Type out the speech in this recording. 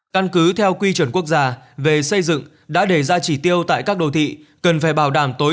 căn cứ theo quy chuẩn quốc gia về xây dựng đã đề ra chỉ tiêu tại các đô thị cần phải bảo đảm tối